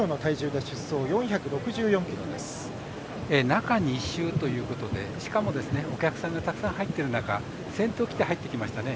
中２週ということでしかも、お客さんがたくさん入ってる中先頭を切って入ってきましたね。